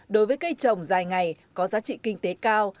đối với cây trồng dài ngày có giá trị kinh tế cao